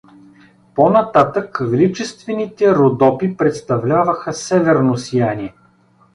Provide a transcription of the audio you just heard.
По-нататък величествените Родопи представляваха северно сияние!